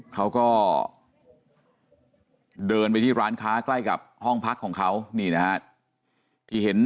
เขาก็เดินไปที่ร้านค้าใกล้กับห้องพักของเขานี่นะฮะที่เห็น